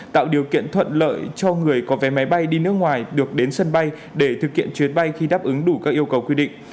tạo điều kiện thuận lợi cho người có vé máy bay đi nước ngoài được đến sân bay để thực hiện chuyến bay khi đáp ứng đủ các yêu cầu quy định